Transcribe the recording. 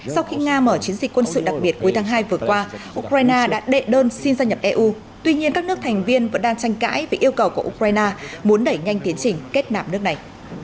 sau khi nga mở chiến dịch quân sự đặc biệt cuối tháng hai vừa qua ukraine đã đệ đơn xin gia nhập eu tuy nhiên các nước thành viên vẫn đang tranh cãi về yêu cầu của ukraine muốn đẩy nhanh tiến trình kết nạp nước này